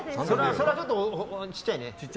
それはちょっとちっちゃいね。